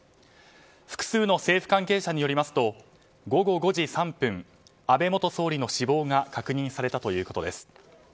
複数の政府関係者によりますと午後５時３分安倍元総理の死亡が確認されたということです。